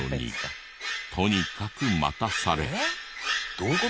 どういう事？